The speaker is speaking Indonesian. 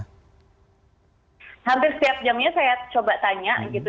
hampir setiap jamnya saya coba tanya gitu